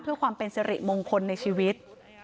เพื่อความเป็นสิริมงคลในชีวิต